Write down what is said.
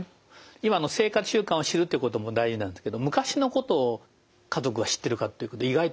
今の生活習慣を知るということも大事なんですけど昔のことを家族は知ってるか意外と知られないんですよね。